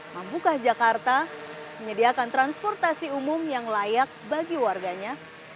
mampukah jakarta menyediakan transportasi umum yang layak bagi warganya